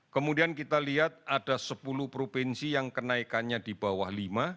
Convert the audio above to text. kemudian kita lihat ada sepuluh provinsi yang kenaikannya di bawah lima